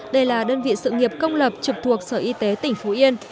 đây là đơn vị sự nghiệp công lập trực thuộc sở y tế tỉnh phú yên